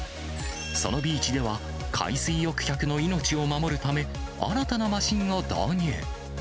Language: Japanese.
そのビーチでは、海水浴客の命を守るため、新たなマシンを導入。